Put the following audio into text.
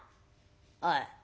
「おい。